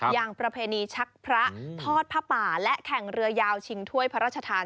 ประเพณีชักพระทอดผ้าป่าและแข่งเรือยาวชิงถ้วยพระราชทาน